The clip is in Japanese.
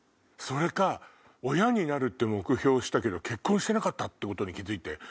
それか「親になる」って目標にしたけど結婚してなかったってことに気付いて。